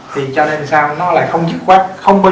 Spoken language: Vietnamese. thì cho nên làm sao nó lại không dứt khoát